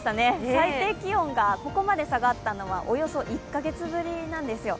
最低気温がここまで下がったのはおよそ１カ月ぶりなんですよ。